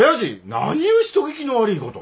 何ゅう人聞きの悪いこと。